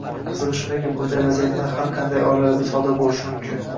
Qizig‘i shundaki, bunday vaziyatlar har qanday oilalarda sodir bo‘lishi mumkin.